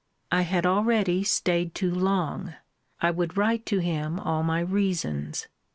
I had already staid too long. I would write to him all my reasons.